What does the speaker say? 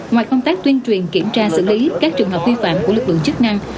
ngoài công tác tuyên truyền kiểm tra xử lý các trường hợp vi phạm của lực lượng chức năng